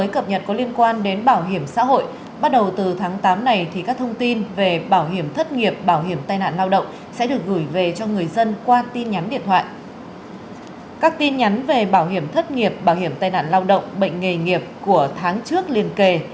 các tin nhắn về bảo hiểm thất nghiệp bảo hiểm tai nạn lao động bệnh nghề nghiệp của tháng trước liên kề